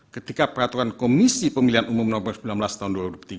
ketika peraturan komisi pemilihan umum nomor sembilan belas tahun dua ribu tiga